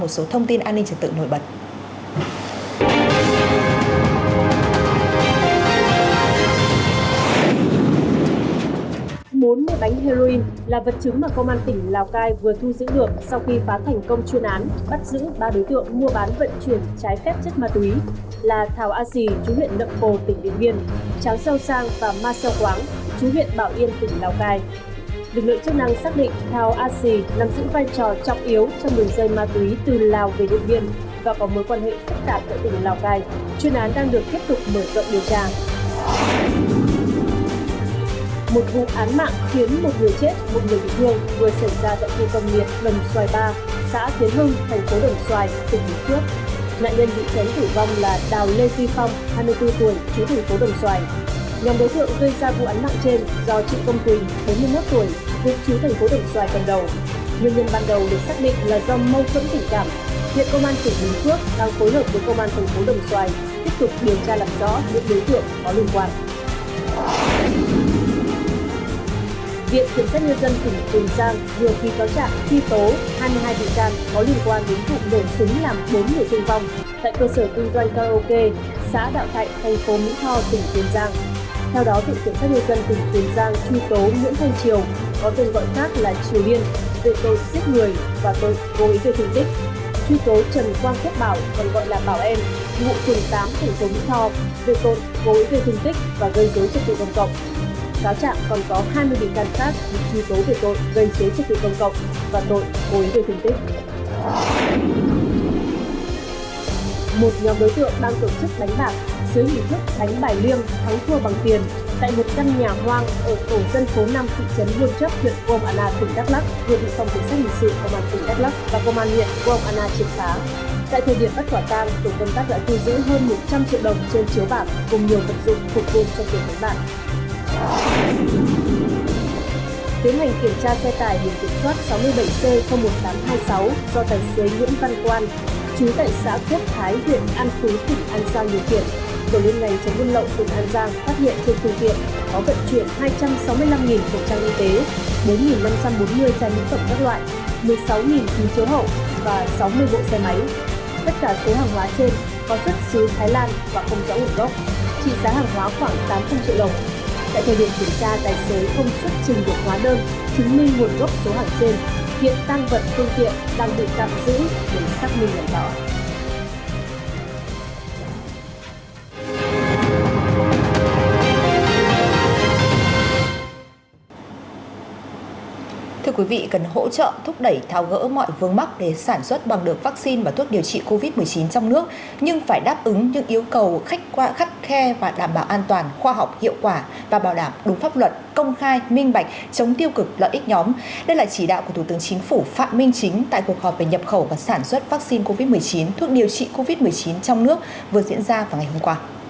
sẽ cần thêm nhiều tuần để xác định được là liệu các loại vaccine hiện nay có hiệu quả với omicron hay không